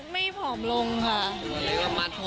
ไม่ผอมลงค่ะ